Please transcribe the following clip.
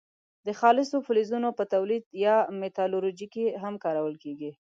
د خالصو فلزونو په تولید یا متالورجي کې هم کارول کیږي.